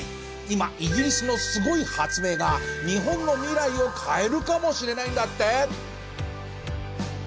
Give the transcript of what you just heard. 今イギリスのすごい発明が日本の未来を変えるかもしれないんだって。